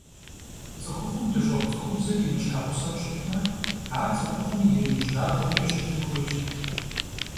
Цӏыхухъум дэщӏыгъу цӀыхубзыр имыщхьэгъусэу щытмэ, ар цӀыхухъум и ижьырабгъумкӀэ щытын хуейщ.